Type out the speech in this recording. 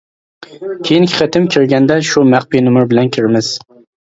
كېيىنكى قېتىم كىرگەندە شۇ مەخپىي نومۇر بىلەن كىرىمىز.